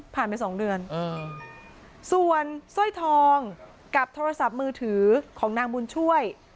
ไปสองเดือนส่วนสร้อยทองกับโทรศัพท์มือถือของนางบุญช่วย